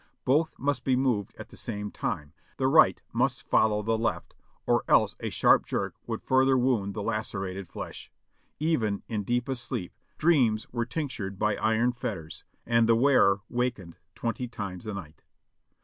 Both must be moved at the same time, the right must follow the left, or else a sharp jerk would further wound the lacerated flesh ; even in deepest sleep, dreams were tinctured by iron fetters, and the wearer wakened twenty times a night.